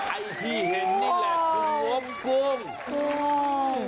ไอ้ที่เห็นนี่แหละคืองมกุ้ง